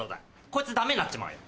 こいつダメになっちまうよ。